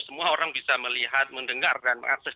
semua orang bisa melihat mendengar dan mengakses